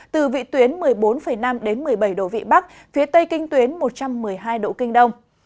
từ vị tuyến một mươi bốn năm đến một mươi bảy độ vị bắc phía tây kinh tuyến một trăm một mươi hai độ kinh đông